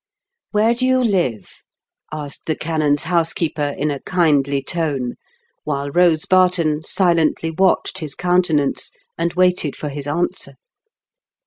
" Where do you live ?" asked the canon's housekeeper, in a kindly tone, while Eose Barton silently watched his countenance and waited for his answer.